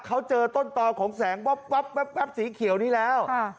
เขาเจอต้นต่อของแสงวับสีเขียวนี้แล้ว